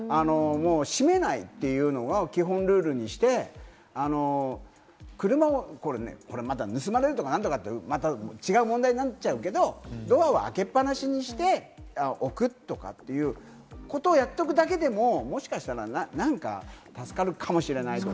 閉めないというのは基本ルールにして、車をまた盗まれるとか何とか違う問題になっちゃうけど、ドアは開けっぱなしにしておくということをやっておくだけでも、もしかしたら何か助かるかもしれないとか。